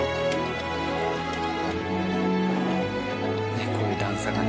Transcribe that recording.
ねっこういう段差がね。